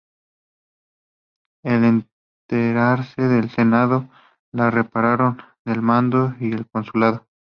Al enterarse el Senado, le separaron del mando y el consulado.